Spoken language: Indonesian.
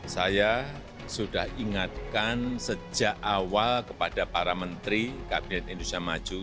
saya sudah ingatkan sejak awal kepada para menteri kabinet indonesia maju